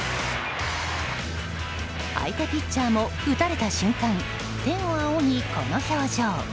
相手ピッチャーも打たれた瞬間天をあおぎ、この表情。